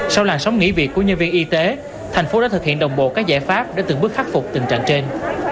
sau làn sóng nghỉ việc của nhân viên y tế thành phố đã thực hiện đồng bộ các giải pháp để từng bước khắc phục tình trạng trên